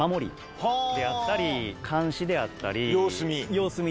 様子見。